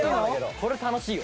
これ楽しいよ。